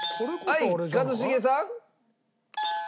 はい一茂さん。